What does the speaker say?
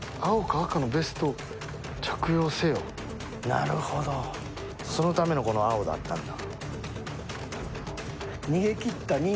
なるほど、そのための青だったんだ。